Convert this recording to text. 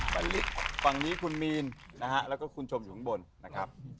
ข้างนี้คุณมีนนะแล้วก็คุณชมอยู่ข้างบน